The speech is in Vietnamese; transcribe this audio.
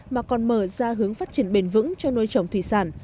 mà còn mở ra hướng phát triển bền vững cho nuôi trồng thủy sản